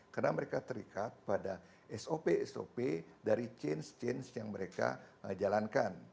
karena mereka terikat pada sop sop dari change change yang mereka jalankan